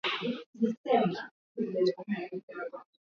Kuthibitisha usahihi wa lugha ya Kiswahili katika